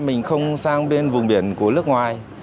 mình không sang bên vùng biển của nước ngoài